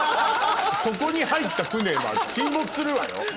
そこに入った船は沈没するわよ。